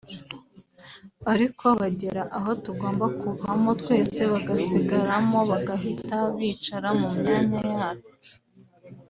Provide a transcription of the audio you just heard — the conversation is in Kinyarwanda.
ariko bagera aho tugomba kuvamo twese bagasigaramo bagahita bicara mu myanya yacu